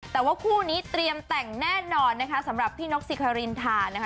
แต่ว่าคู่นี้เตรียมแต่งแน่นอนนะคะสำหรับพี่นกสิคารินทานะคะ